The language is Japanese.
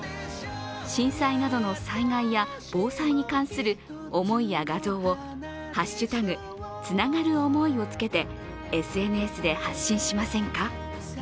震災などの災害や防災に関する思いや画像を「＃つながるおもい」をつけてＳＮＳで発信しませんか？